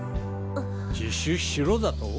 自首しろだと。